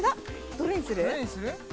どれにする？